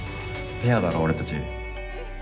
ペアだろ俺たち。